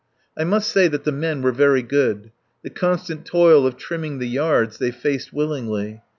I must say that the men were very good. The constant toil of trimming yards they faced willingly.